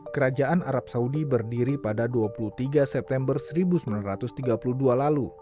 kerajaan arab saudi berdiri pada dua puluh tiga september seribu sembilan ratus tiga puluh dua lalu